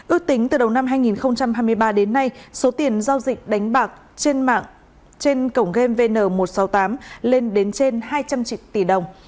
ước tính từ đầu năm hai nghìn hai mươi ba đến nay số tiền giao dịch đánh bạc trên mạng trên cổng game vn một trăm sáu mươi tám lên đến trên hai trăm linh tỷ đồng